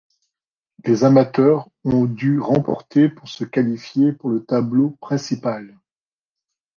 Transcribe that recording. Les amateurs ont dû remporter pour se qualifier pour le tableau principal.